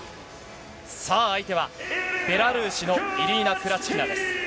さあ、相手は、ベラルーシのイリーナ・クラチキナです。